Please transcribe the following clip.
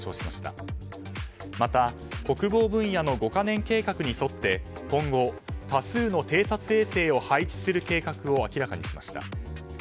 また、国防分野の５か年計画に沿って今後、多数の偵察衛星を配置する計画を明らかにしました。